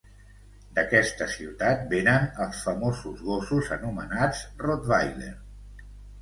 D'aquesta ciutat vénen els famosos gossos anomenats rottweiler.